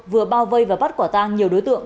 vừa bao vây và bắt quả tang nhiều đối tượng